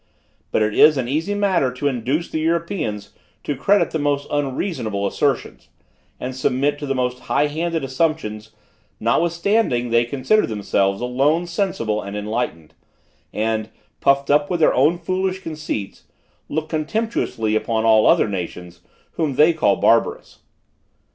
But it is an easy matter to induce the Europeans to credit the most unreasonable assertions, and submit to the most high handed assumptions, notwithstanding they consider themselves alone sensible and enlightened, and, puffed up with their foolish conceits, look contemptuously upon all other nations, whom they call barbarous.